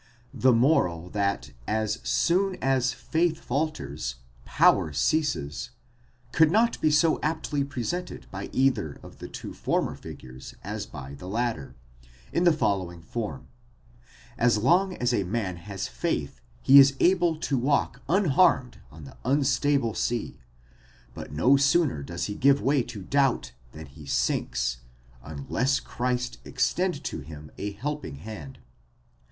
The moral that as soon as faith falters, power ceases, could not be so aptly presented by either of the two former figures as by the latter, in the following form: as long as a man has faith he is able to walk unharmed on the unstable sea, but no sooner does he give way to doubt than he sinks, unless Christ extend to him a helping hand.